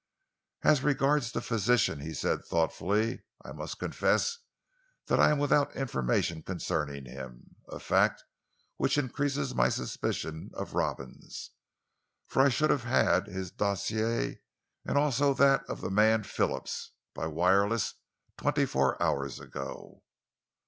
"As regards the physician," he said thoughtfully, "I must confess that I am without information concerning him, a fact which increases my suspicion of Robins, for I should have had his dossier, and also that of the man Phillips, by wireless twenty four hours ago."